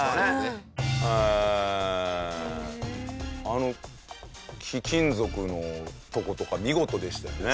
あの貴金属のとことか見事でしたよね。